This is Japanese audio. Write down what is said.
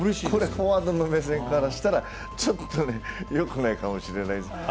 フォワードの目線からした、ちょっとよくないかもしれないです。